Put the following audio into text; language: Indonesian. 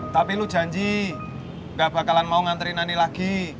tapi lo janji gak bakalan mau nganterin ani lagi